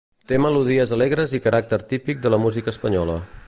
Té melodies alegres i caràcter típic de la música espanyola.